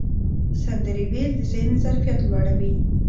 سندرې ویل د ذهن ظرفیت لوړوي.